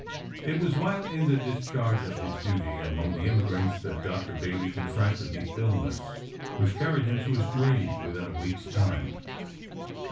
It was while in the discharge of his duty among the immigrants that Dr. Bayley contracted the illness which carried him to his grave within a week's time.